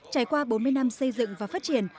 trải qua bốn mươi năm xây dựng và phát triển